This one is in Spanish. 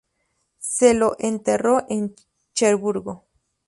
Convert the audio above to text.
Se lo enterró en Cherburgo.